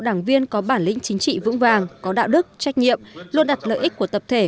đảng viên có bản lĩnh chính trị vững vàng có đạo đức trách nhiệm luôn đặt lợi ích của tập thể